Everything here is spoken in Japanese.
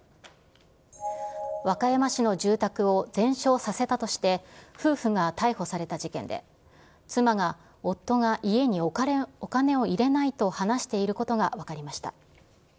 和歌山市の住宅を全焼させたとして、夫婦が逮捕された事件で、妻が夫が家にお金を入れないと話していることが分かりました。